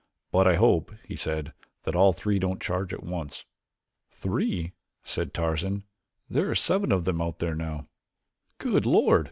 But I hope," he said, "that all three don't charge at once." "Three?" said Tarzan. "There are seven of them out there now." "Good Lord!